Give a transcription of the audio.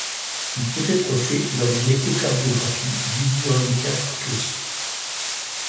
Il peut être fait lors d'une échocardiographie visualisant les quatre cusps.